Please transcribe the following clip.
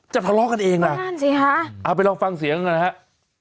จะทะเลาะกันเองล่ะนั่นสิค่ะอ่าไปลองฟังเสียงกันนะครับ